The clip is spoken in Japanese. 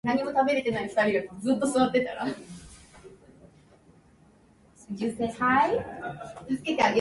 糸が切れた凧のようにあてもなく、団地の中をさまよい歩いた